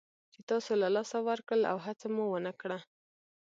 چې تاسو له لاسه ورکړل او هڅه مو ونه کړه.